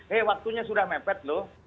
hei waktunya sudah mepet loh